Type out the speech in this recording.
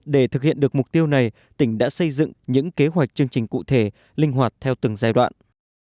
để thực hiện được mục tiêu này tỉnh đã xây dựng những kế hoạch chương trình cụ thể linh hoạt theo từng giai đoạn